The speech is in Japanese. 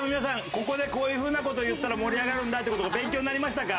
ここでこういう風な事言ったら盛り上がるんだっていう事勉強になりましたか？